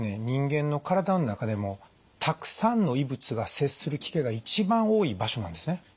人間の体の中でもたくさんの異物が接する機会が一番多い場所なんですね。